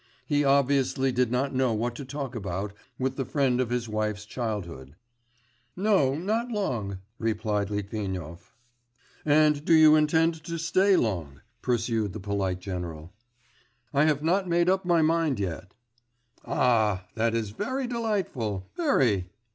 He obviously did not know what to talk about with the friend of his wife's childhood. 'No, not long!' replied Litvinov. 'And do you intend to stay long?' pursued the polite general. 'I have not made up my mind yet.' 'Ah! that is very delightful ... very.